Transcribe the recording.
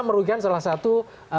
merugikan salah satu